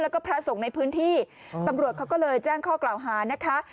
แล้วก็พระสงฆ์ในพื้นที่ตำรวจเขาก็เลยแจ้งข้อกล่าวหานะคะ